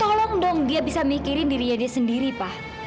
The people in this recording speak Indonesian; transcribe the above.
tolong dong dia bisa mikirin dirinya dia sendiri pak